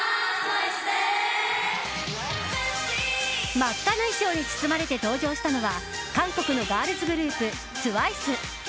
真っ赤な衣装に包まれて登場したのは韓国のガールズグループＴＷＩＣＥ。